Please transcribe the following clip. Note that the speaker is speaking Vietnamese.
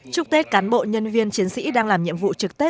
chúc tết cán bộ nhân viên chiến sĩ đang làm nhiệm vụ trực tết